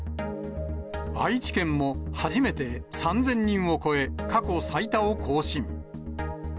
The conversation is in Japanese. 愛知県も初めて３０００人を超え、過去最多を更新。